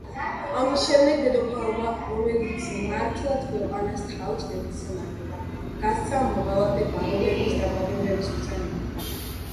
ამის შემდეგ დედოფალმა, რომელიც მართლაც ქვეყანას თავის ნებაზე მართავდა გასცა მოღალატე ბარონების დაპატიმრების ბრძანება.